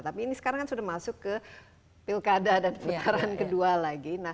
tapi ini sekarang kan sudah masuk ke pilkada dan putaran kedua lagi